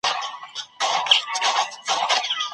د بيلګي په توګه کوم آيت شريف ياد سوی دی؟